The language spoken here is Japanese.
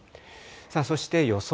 そして予想